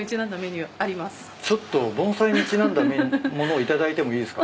ちょっと盆栽にちなんだ物を頂いてもいいですか？